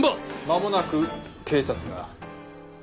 間もなく警察が。